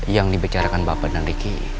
yang diberbicarakan bapak dan riki